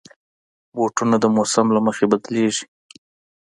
بوټونه د موسم له مخې بدلېږي.